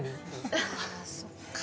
あぁそっか。